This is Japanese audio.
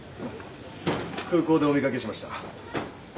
空港でお見掛けしました。